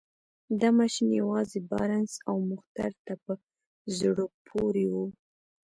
دا ماشين يوازې بارنس او مخترع ته په زړه پورې و.